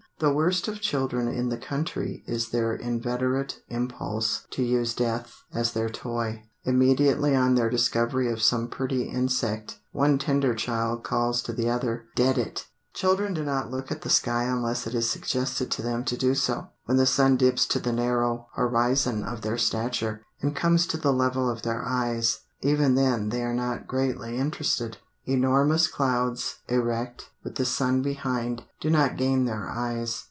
The worst of children in the country is their inveterate impulse to use death as their toy. Immediately on their discovery of some pretty insect, one tender child calls to the other "Dead it." Children do not look at the sky unless it is suggested to them to do so. When the sun dips to the narrow horizon of their stature, and comes to the level of their eyes, even then they are not greatly interested. Enormous clouds, erect, with the sun behind, do not gain their eyes.